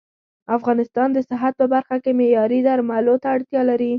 افغانستان د صحت په برخه کې معياري درملو ته اړتيا لري